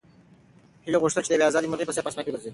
هیلې غوښتل چې د یوې ازادې مرغۍ په څېر په اسمان کې وګرځي.